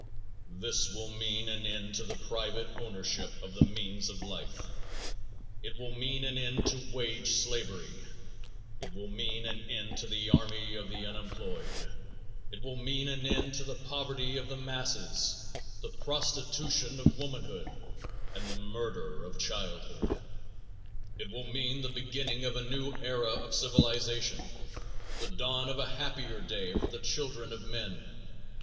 _ This will mean an end to the private ownership of the means of life; it will mean an end to wage slavery; it will mean an end to the army of the unemployed; it will mean an end to the poverty of the masses, the prostitution of womanhood, and the murder of childhood. It will mean the beginning of a new era of civilization; the dawn of a happier day for the children of men.